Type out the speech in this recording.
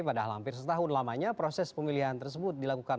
padahal hampir setahun lamanya proses pemilihan tersebut dilakukan